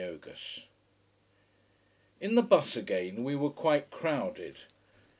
In the bus again, we were quite crowded.